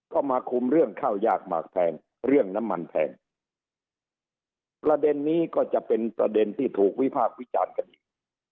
ก็มาคุมเรื่องข้าวยากมากแพงเรื่องน้ำมันแพงประเด็นนี้ก็จะเป็นประเด็นที่ถูกวิพากษ์วิจารณ์กันอีก